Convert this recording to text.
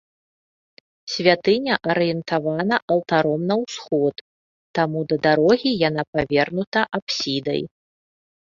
Святыня арыентавана алтаром на ўсход, таму да дарогі яна павернута апсідай.